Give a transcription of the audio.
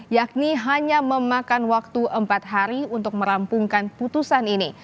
yakni hanya memakan waktu empat hari untuk merampungkan putusan ini